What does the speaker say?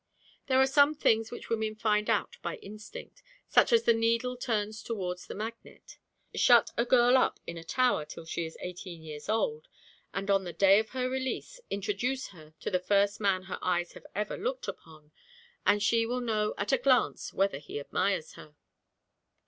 There are some things which women find out by instinct, just as the needle turns towards the magnet. Shut a girl up in a tower till she is eighteen years old, and on the day of her release introduce her to the first man her eyes have ever looked upon, and she will know at a glance whether he admires her.